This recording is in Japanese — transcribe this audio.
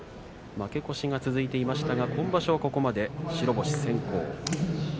負け越しが続いていましたが今場所は、ここまで白星先行です。